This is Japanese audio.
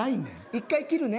１回切るね。